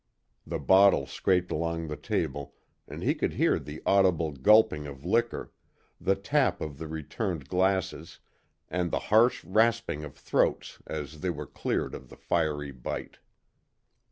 The bottle scraped along the table, and he could hear the audible gulping of liquor, the tap of the returned glasses, and the harsh rasping of throats as they were cleared of the fiery bite.